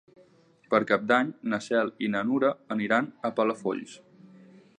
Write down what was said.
Per Cap d'Any na Cel i na Nura aniran a Palafolls.